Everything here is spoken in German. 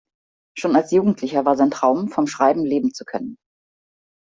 Schon als Jugendlicher war sein Traum, vom Schreiben leben zu können.